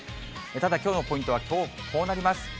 ただきょうのポイントは、こうなります。